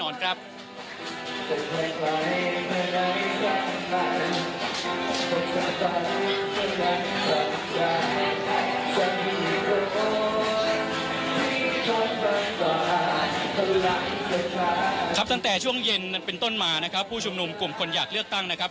ครับตั้งแต่ช่วงเย็นนั้นเป็นต้นมานะครับผู้ชุมนุมกลุ่มคนอยากเลือกตั้งนะครับ